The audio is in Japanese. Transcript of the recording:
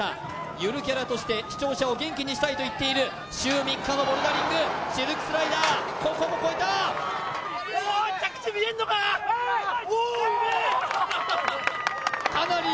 ゆるキャラとして視聴者を元気にしたいと言っている週３日のボルダリングシルクスライダーここも越えたおー！